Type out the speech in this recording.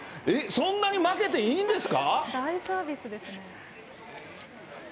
そんなにまけていいんですか？